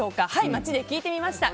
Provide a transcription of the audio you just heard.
街で聞いてみました。